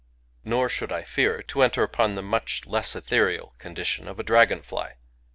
... Nor should I fear to enter upon the much less ethereal condition of a dragon fly.